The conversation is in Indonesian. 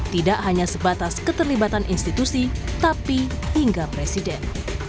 tidak hanya sebatas keterlibatan institusi tapi hingga presiden